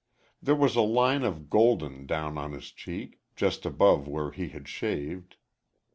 There was a line of golden down on his cheek just above where he had shaved.